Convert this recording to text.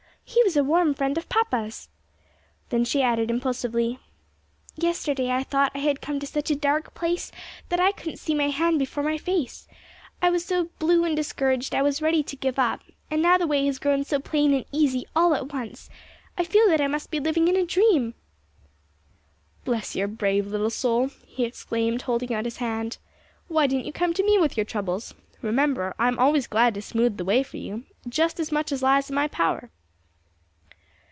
He was a warm friend of papa's." Then she added, impulsively: "Yesterday I thought I had come to such a dark place that I couldn't see my hand before my face. I was just so blue and discouraged I was ready to give up, and now the way has grown so plain and easy, all at once, I feel that I must be living in a dream." "Bless your brave little soul!" he exclaimed, holding out his hand. "Why didn't you come to me with your troubles? Remember I am always glad to smooth the way for you, just as much as lies in my power."